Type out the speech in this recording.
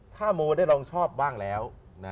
ถ้ามูใดรองชอบบ้างแล้ว